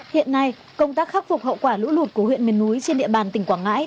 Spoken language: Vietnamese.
hiện nay công tác khắc phục hậu quả lũ lụt của huyện miền núi trên địa bàn tỉnh quảng ngãi